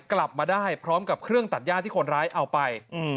กลับมาได้พร้อมกับเครื่องตัดย่าที่คนร้ายเอาไป